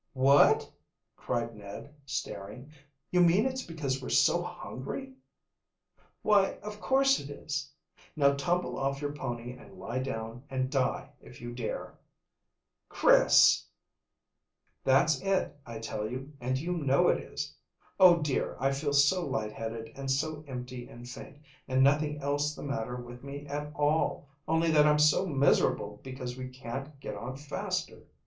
"What!" cried Ned, staring. "You mean it's because we're so hungry?" "Why, of course it is. Now, tumble off your pony and lie down and die if you dare!" "Chris!" "That's it, I tell you, and you know it is. Oh dear, I feel so light headed, and so empty and faint, and nothing else the matter with me at all, only that I'm so miserable because we can't get on faster."